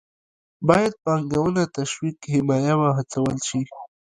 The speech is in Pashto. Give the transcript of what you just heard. باید پانګونه تشویق، حمایه او وهڅول شي.